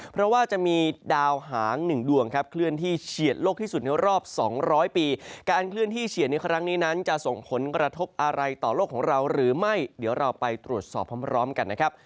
เพราะว่าจะมีดาวหางหนึ่งดวงครับเคลื่อนที่เฉียดโลกที่สุดในรอบ๒๐๐ปีการเคลื่อนที่เฉียดในครั้งนี้นั้นจะส่งผลกระทบอะไรต่อโลกของเราหรือไม่เดี๋ยวเราไปตรวจสอบพร้อมกันนะครับ